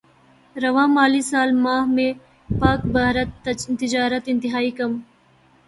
رواں مالی سال ماہ میں پاکبھارت تجارت انتہائی کم